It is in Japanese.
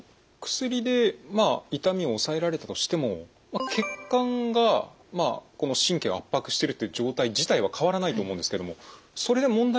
薬でまあ痛みを抑えられたとしても血管がこの神経を圧迫しているという状態自体は変わらないと思うんですけどもそれで問題はないんでしょうか？